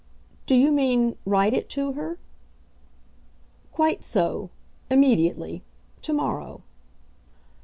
"Do you mean write it to her?" "Quite so. Immediately. To morrow."